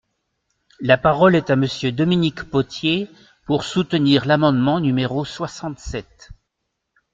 La parole est à Monsieur Dominique Potier, pour soutenir l’amendement numéro soixante-sept.